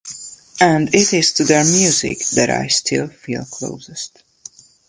And it is to their music that I still feel closest.